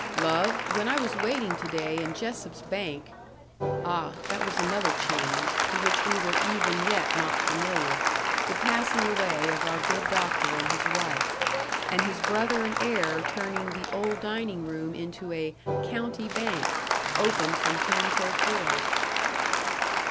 "Love, when I was waiting to day in Jessop's bank " (Ah! that was another change, to which we were even yet not familiar, the passing away of our good doctor and his wife, and his brother and heir turning the old dining room into a "County Bank open from ten till four.")